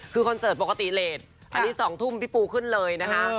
คือคอนเสิร์ตปกติเลสอันนี้๒ทุ่มพี่ปูขึ้นเลยนะคะ